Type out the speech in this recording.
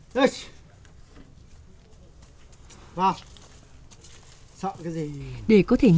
để có thể nhức được con trâu